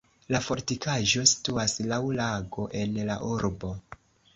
La fortikaĵo situas laŭ lago en la urbo.